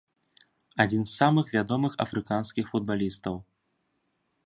Адзін з самых вядомых афрыканскіх футбалістаў.